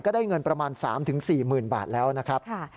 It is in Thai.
ได้เงินประมาณ๓๔๐๐๐บาทแล้วนะครับ